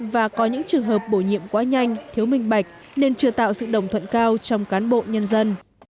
và có những trường hợp bổ nhiệm quá nhanh thiếu minh bạch nên chưa tạo sự đồng thuận cao trong cán bộ nhân dân